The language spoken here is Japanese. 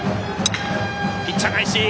ピッチャー返し！